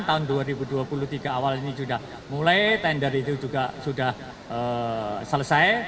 tahun dua ribu dua puluh tiga awal ini sudah mulai tender itu juga sudah selesai